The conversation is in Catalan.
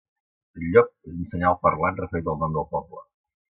El llop és un senyal parlant referit al nom del poble.